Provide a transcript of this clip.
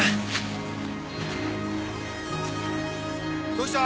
どうした？